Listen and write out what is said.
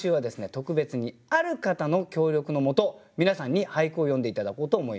特別にある方の協力のもと皆さんに俳句を詠んで頂こうと思います。